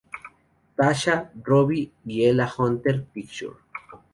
Tasha, Robbie y Ella Hunter Picture